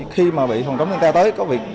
khi mà bị phòng chống thiên tai tới